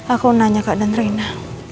aku nanya kak dan rena